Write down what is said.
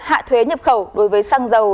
hạ thuế nhập khẩu đối với xăng dầu